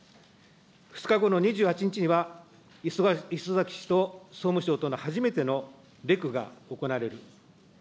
２日後の２８日には、礒崎氏と総務省との初めてのレクが行われる。